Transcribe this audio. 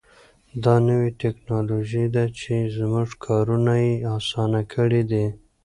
دا نوې تکنالوژي ده چې زموږ کارونه یې اسانه کړي دي.